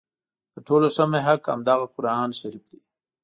تر ټولو ښه محک همدغه قرآن شریف دی.